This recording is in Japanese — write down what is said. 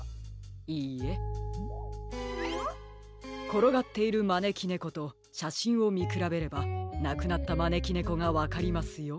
ころがっているまねきねことしゃしんをみくらべればなくなったまねきねこがわかりますよ。